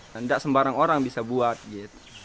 tidak sembarang orang bisa buat gitu